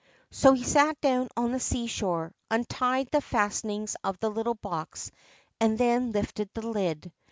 So he sat down on the seashore, untied the fastenings of the little box and then lifted the lid.